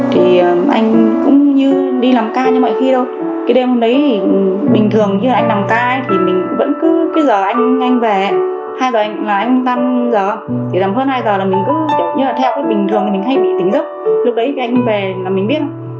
thì anh cũng như đi làm ca như mọi khi đâu cái đêm hôm đấy bình thường khi là anh làm ca thì mình vẫn cứ giở anh về hai giờ là anh tăng giở chỉ làm hơn hai giờ là mình cứ giống như là theo cái bình thường mình hay bị tỉnh giấc lúc đấy cái anh về là mình biết